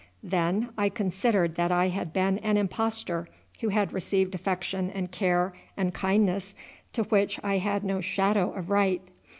Then I considered that I had been an impostor who had received affection and care and kindness to which I had no shadow of right.